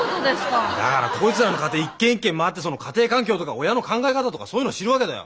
だからこいつらの家庭一軒一軒回ってその家庭環境とか親の考え方とかそういうの知るわけだよ。